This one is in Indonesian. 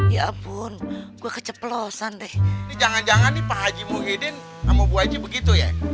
ya ampun gue keceplosan deh jangan jangan di pak haji muhyiddin kamu buaji begitu ya